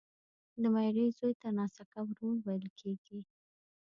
د ميرې زوی ته ناسکه ورور ويل کیږي